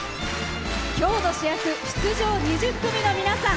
今日、出場２０組の皆さん。